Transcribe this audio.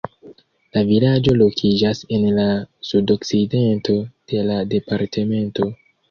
La vilaĝo lokiĝas en la sudokcidento de la departemento.